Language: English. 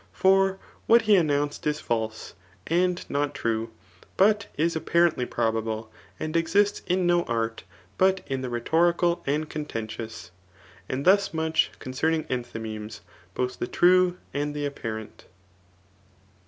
For what he announced is iake, and not true» but is apparently probable, and exists in no art but in the rhetorical and contentious. And thus much coiU. cenung entfaymemes, both the true, and the apparent..